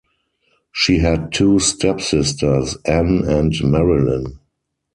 She had two stepsisters, Anne and Marilyn.